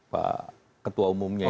pak ketua umum